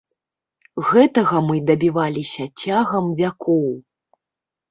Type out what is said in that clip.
Гэтага мы дабіваліся цягам вякоў.